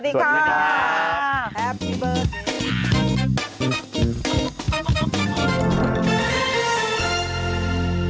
สวัสดีครับ